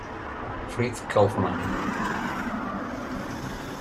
Fritz Kaufmann